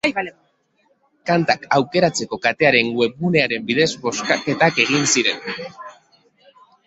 Kantak aukeratzeko katearen webgunearen bidez bozketak egin ziren.